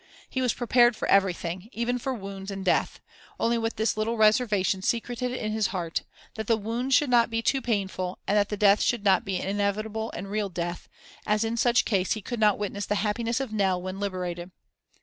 He was prepared for everything, even for wounds and death; only with this little reservation secreted in his heart, that the wounds should not be too painful, and that the death should not be an inevitable and real death, as in such case he could not witness the happiness of Nell when liberated.